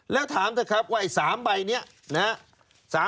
แล้วถามเถอะครับว่าไอ้๓ใบนี้นะฮะ